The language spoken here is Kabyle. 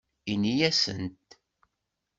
Ini-asent.